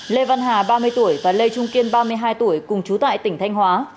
lê văn hà ba mươi tuổi và lê trung kiên ba mươi hai tuổi cùng chú tại tỉnh thanh hóa